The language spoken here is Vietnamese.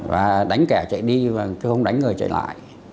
và đánh kẻ chạy đi và không đánh người chạy lại